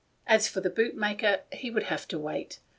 As for the bootmaker, he would have to wait.